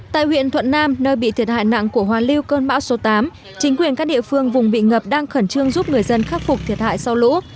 tại huyện thuận nam nơi bị thiệt hại nặng của hoa lưu cơn bão số tám chính quyền các địa phương vùng bị ngập đang khẩn trương giúp người dân khắc phục thiệt hại sau lũ